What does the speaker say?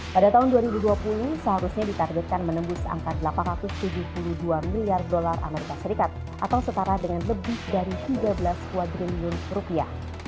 pada tahun dua ribu dua puluh seharusnya ditargetkan menembus angka delapan ratus tujuh puluh dua miliar dolar as atau setara dengan lebih dari tiga belas dua triliun rupiah